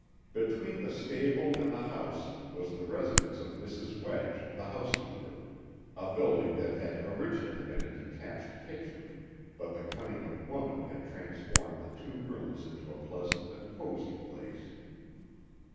Between the stable and the house was the residence of Mrs. Wedge, the housekeeper a building that had originally been a detached kitchen, but the cunning of woman had transformed the two rooms into a pleasant and cozy place.